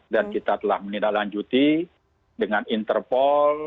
dan kita telah menidaklanjuti dengan interpol